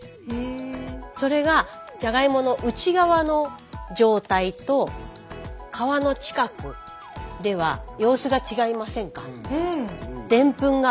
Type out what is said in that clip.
それがじゃがいもの内側の状態と皮の近くでは様子が違いませんか？